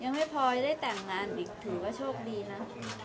ยังไม่พอจะได้แต่งงานอีกถือว่าโชคดีนะ